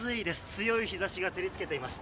強い日差しが照り付けています。